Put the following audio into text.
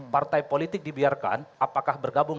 partai politik dibiarkan apakah bergabung